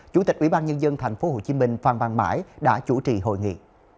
chủ tịch ủy ban nhân dân tp hcm phan văn mãi đã chủ trì hội nghị